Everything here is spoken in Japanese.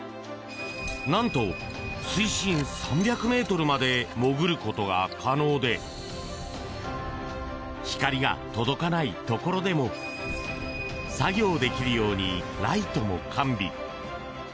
何と水深３００ｍまで潜ることが可能で光が届かないところでも作業できるようにライトも完備。